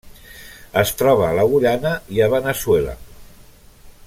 Es troba a la Guyana i a Veneçuela.